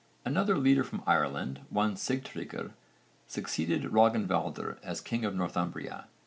Another leader from Ireland, one Sigtryggr, succeeded Rögnvaldr as king of Northumbria.